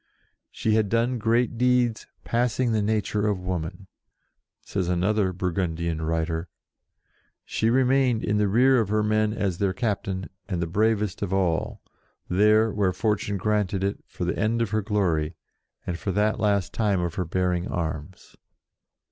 "She had done great deeds, passing the nature of woman." Says another Burgundian writer: "She remained in the rear of her men as their captain, and the bravest of all, there, where fortune granted it, for the end of her glory, and for that last time of her bearing arms."